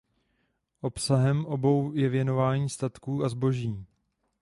Obsahem obou je věnování statků a zboží.